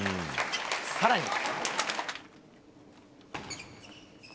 さらに。